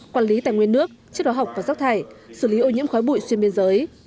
quản lý tài nguyên nước chức đoàn học và giác thải xử lý ô nhiễm khói bụi xuyên biên giới